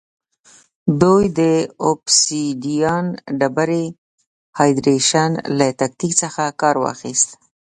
دوی د اوبسیدیان ډبرې هایدرېشن له تکتیک څخه کار واخیست